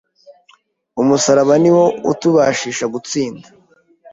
Umusaraba ni wo utubashisha gutsinda.